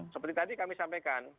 seperti tadi kami sampaikan